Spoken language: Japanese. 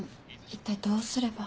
一体どうすれば。